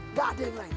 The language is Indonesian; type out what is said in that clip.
nggak ada yang lain